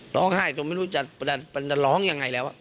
ร้องไห้จนไม่รู้จะร้องยังไงแล้ว